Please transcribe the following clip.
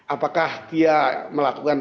apakah dia melakukan